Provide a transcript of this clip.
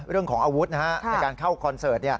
เรื่องของอาวุธในการเข้าคอนเสิร์ต